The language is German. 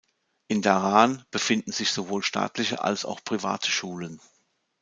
In Dhahran befinden sich sowohl staatliche als auch private Schulen.